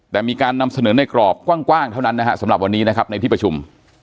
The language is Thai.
แต่มีการนำเสนอในกรอบกว้างเท่านั้นนะฮะสำหรับวันนี้นะครับในที่ประชุม